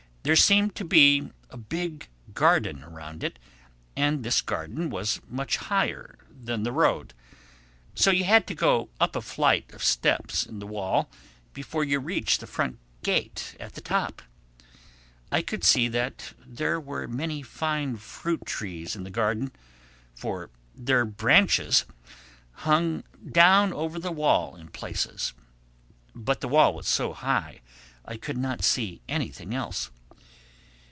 There seemed to be a big garden around it; and this garden was much higher than the road, so you had to go up a flight of steps in the wall before you reached the front gate at the top. I could see that there were many fine fruit trees in the garden, for their branches hung down over the wall in places. But the wall was so high I could not see anything else.